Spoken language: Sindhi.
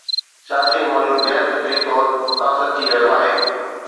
سياسي عمل غير فطري طور متاثر ٿي رهيو آهي.